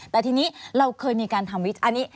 แต่ทีนี้เราเคยมีการทำวิจัย